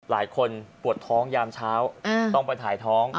หลายคนปวดท้องยามเช้าต้องไปถ่ายท้อง